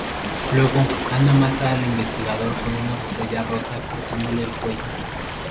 Luego, Anna mata al investigador con una botella rota cortándole el cuello.